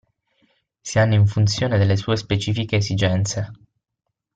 Si hanno in funzione delle sue specifiche esigenze.